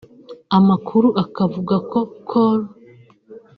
Amakuru akavuga ko Col